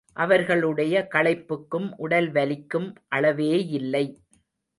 அவர்களுடைய களைப்புக்கும் உடல் வலிக்கும்.அளவேயில்லை.